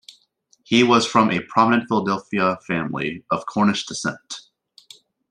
He was from a prominent Philadelphia family of Cornish descent.